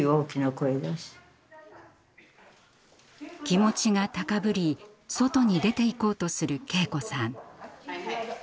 気持ちが高ぶり外に出ていこうとする敬子さん。